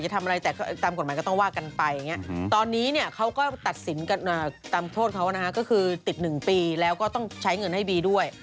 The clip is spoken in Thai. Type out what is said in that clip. ตามโทษเขานะฮะก็คือติด๑ปีแล้วก็ต้องใช้เงินให้บีด้วย